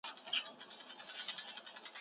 که ښځې تجارت وکړي نو محتاجې نه کیږي.